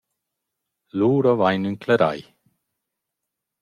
Lura vain ün clerai.